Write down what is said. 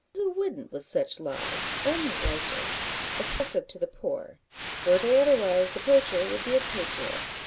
Who wouldn't with such laws unrighteous oppressive to the poor? Were they otherwise, the poacher would be a patriot.